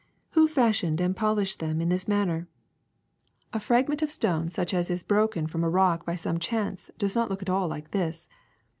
^^Who fashioned and polished them in this man ner! A fragment of stone such as is broken from a 354 PEBBLES 355 rock by some chance does not look at all like this.